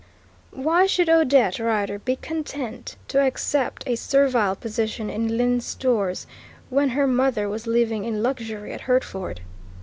Why should Odette Rider be content to accept a servile position in Lyne's Stores when her mother was living in luxury at Hertford?